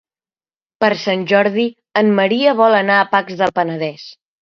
Per Sant Jordi en Maria vol anar a Pacs del Penedès.